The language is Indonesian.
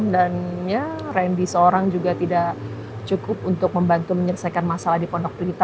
dan ya randy seorang juga tidak cukup untuk membantu menyelesaikan masalah di pondok terdekat